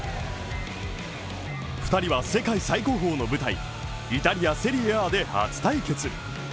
２人は世界最高峰の舞台、イタリアセリアＡで初対決。